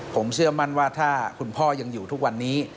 ผมเชื่อมั่นว่าถ้าคุณพ่อยังอยู่ทุกวันนี้